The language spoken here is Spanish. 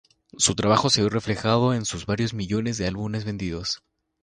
Su trabajo se vio reflejado en sus varios millones de álbumes vendidos.